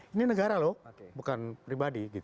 ini negara loh bukan pribadi